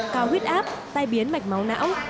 cao huyết áp tai biến mạch máu não